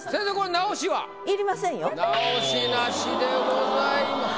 直しなしでございます。